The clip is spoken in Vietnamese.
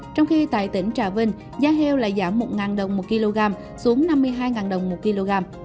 trong khi tại tỉnh trà vinh giá heo lại giảm một đồng một kg xuống năm mươi hai đồng một kg